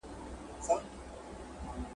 انګرېزان به حلال سي.